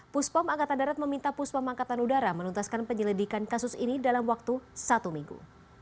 puspom angkatan darat meminta puspom angkatan udara menuntaskan penyelidikan kasus ini dalam waktu satu minggu